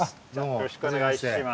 よろしくお願いします。